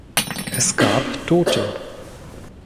Es gab Tote.